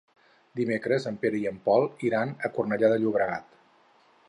Dimecres en Pere i en Pol iran a Cornellà de Llobregat.